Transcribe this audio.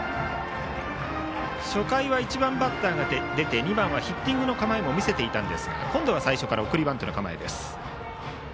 初回は１番バッターが出て２番はヒッティングの構えも見せていたんですが今度は最初から送りバントの構えです。